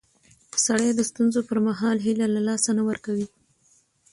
سړی د ستونزو پر مهال هیله له لاسه نه ورکوي